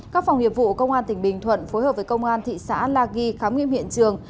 các phòng nghiệp vụ công an tỉnh bình thuận phối hợp với công an thị xã la ghi khám nghiệm hiện trường